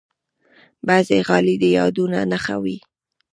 بعضې غالۍ د یادونو نښه وي.